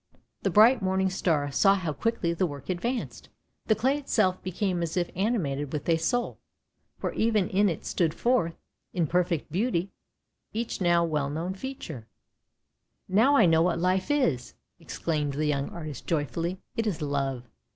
The bright morning star saw how quickly the work advanced. The clay itself became as if animated with a soul, for even in it stood forth, in perfect beauty, each now well known feature. " Now I know what life is," exclaimed the young artist joyfully; "it is love.